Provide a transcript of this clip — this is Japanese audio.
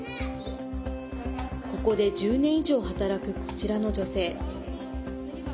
ここで１０年以上働くこちらの女性。